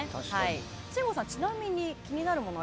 信五さんちなみに気になるものは？